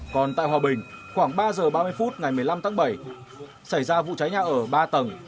còn tại hòa bình khoảng ba giờ ba mươi phút ngày một mươi năm tháng bảy xảy ra vụ cháy nhà ở ba tầng